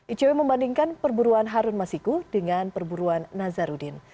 icw membandingkan perburuan harun masiku dengan perburuan nazarudin